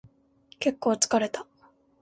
結構疲れた